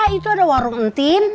itu ada warung entin